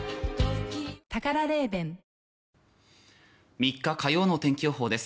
３日、火曜の天気予報です。